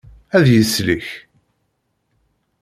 Ad yeslek?